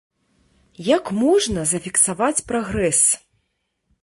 Як можна зафіксаваць прагрэс?